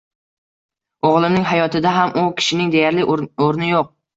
o‘g‘limning hayotida ham u kishining deyarli o‘rni yo‘q.